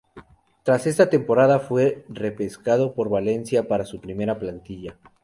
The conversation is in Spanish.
Tras esta temporada fue repescado por el Valencia para su primera plantilla.